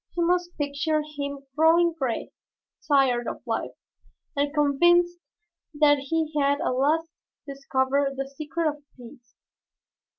You must picture him growing gray, tired of life and convinced that he had at last discovered the secret of peace.